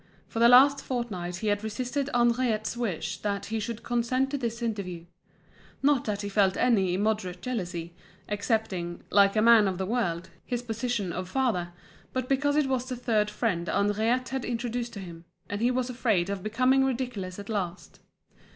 For the last fortnight he had resisted Henriette's wish that he should consent to this interview; not that he felt any immoderate jealousy, accepting, like a man of the world, his position of father; but because it was the third friend Henriette had introduced to him, and he was afraid of becoming ridiculous at last.